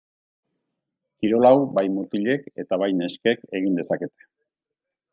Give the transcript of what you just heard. Kirol hau bai mutilek eta bai neskek egin dezakete.